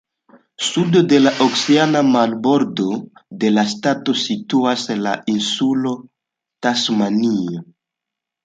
Sude de la oceana marbordo de la ŝtato situas la insulo Tasmanio.